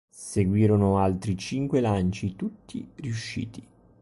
Seguirono altri cinque lanci, tutti riusciti.